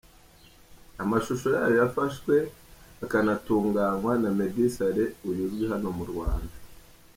amashusho yayo yafashwe akanatunganywa na Meddy Saleh uyu uzwi hano mu Rwanda.